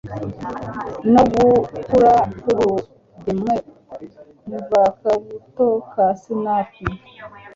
no gukura k'urugemwe mv'akabuto ka sinapi,